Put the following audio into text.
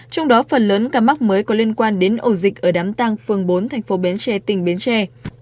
trong đó phần lớn ca mắc mới có liên quan đến ổ dịch ở đám tăng phường bốn thành phố bến tre tỉnh bến tre